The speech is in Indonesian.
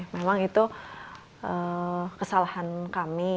memang itu kesalahan kami